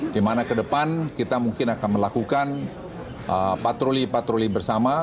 di mana ke depan kita mungkin akan melakukan patroli patroli bersama